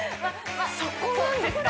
そこなんですか？